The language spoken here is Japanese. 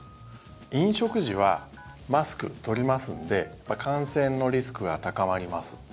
飲食時はマスク取りますんで感染のリスクは高まります。